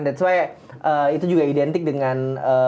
that s why itu juga identik dengan